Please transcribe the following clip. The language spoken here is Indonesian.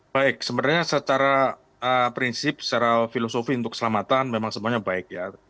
baik sebenarnya secara prinsip secara filosofi untuk keselamatan memang semuanya baik ya